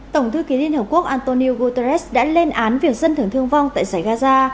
tổng thư ký liên hợp quốc antonio guterres đã lên án việc dân thường thương vong tại giải gaza